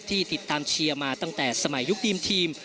ติดตามเชียร์มาตั้งแต่สมัยยุคทีม